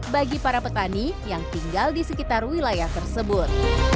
bagi para petani yang tinggal di sekitar wilayah tersebut